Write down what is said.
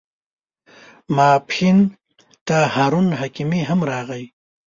ماپښین ته هارون حکیمي هم راغی.